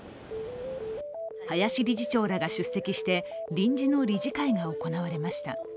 林理事長らが出席して臨時の理事会が行われました。